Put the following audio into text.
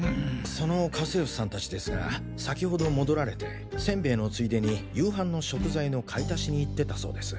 その家政婦さんたちですが先程戻られてせんべいのついでに夕飯の食材の買い足しに行ってたそうです。